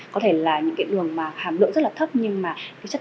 có thể là những cái đường mà hàm lượng rất là thấp nhưng mà cái chất